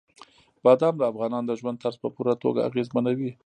بادام د افغانانو د ژوند طرز په پوره توګه اغېزمنوي.